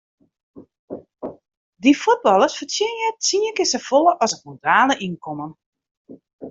Dy fuotballers fertsjinje tsien kear safolle as it modale ynkommen.